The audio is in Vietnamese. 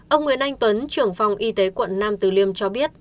ông nguyễn anh tuấn trưởng phòng y tế quận nam từ liêm cho biết